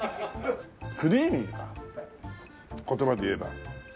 クリーミーか言葉で言えば。